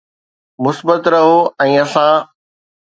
مثبت رهو ۽ اسان